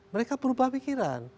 mereka berubah pikiran